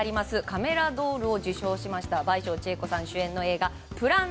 カメラドールを受賞しました倍賞千恵子さん主演の映画「ＰＬＡＮ７５」。